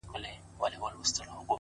نیک چلند د درناوي تخم شیندي!